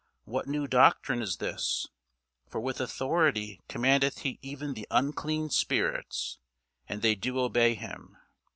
what new doctrine is this? for with authority commandeth he even the unclean spirits, and they do obey him.